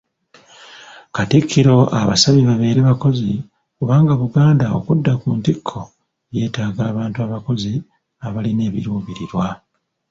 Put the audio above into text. Katikkiro abasabye babeere bakozi kubanga Buganda okudda ku ntikko yeetaaga abantu abakozi abalina ebiruubirirwa.